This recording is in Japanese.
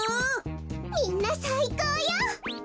みんなさいこうよ！